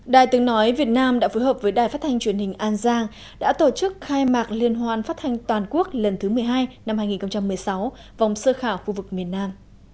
đài tiếng nói việt nam đã phối hợp với đài phát thanh truyền hình an giang đã tổ chức khai mạc liên hoan phát thanh toàn quốc lần thứ một mươi hai năm hai nghìn một mươi sáu vòng sơ khảo khu vực miền nam